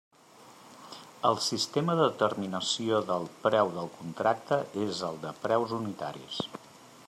El sistema de determinació del preu del contracte és el de preus unitaris.